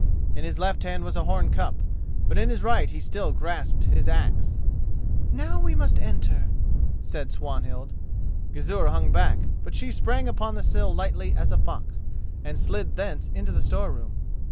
In his left hand was a horn cup, but in his right he still grasped his axe. "Now we must enter," said Swanhild. Gizur hung back, but she sprang upon the sill lightly as a fox, and slid thence into the store room.